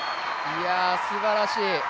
いや、すばらしい！